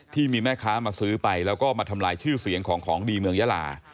ที่มีแม่ค้ามาซื้อไปแล้วก็มาทำลายชื่อเสียงของของดีเมืองยาลา